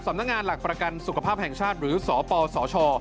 สำนักงานหลักประกันสุขภาพแห่งชาติหรือสปสช